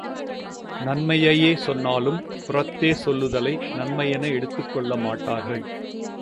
நன்மையையே சொன்னாலும் புறத்தே சொல்லுதலை நன்மையென எடுத்துக்கொள்ள மாட்டார்கள்.